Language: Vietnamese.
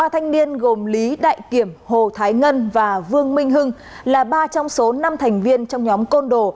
ba thanh niên gồm lý đại kiểm hồ thái ngân và vương minh hưng là ba trong số năm thành viên trong nhóm côn đồ